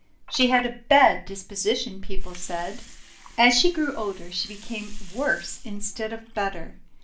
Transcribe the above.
She had a bad disposition, people said. As she grew older she became worse instead of better.